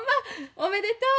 おめでとう。